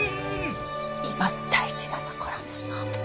今大事なところなの。